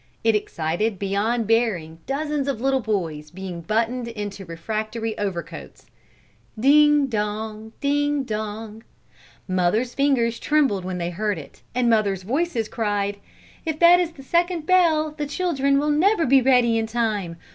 It excited beyond bearing dozens of little boys being buttoned into refractory overcoats. Ding dong! Ding dong! Mothers' fingers trembled when they heard it, and mothers' voices cried: "If that is the second bell, the children will never be ready in time!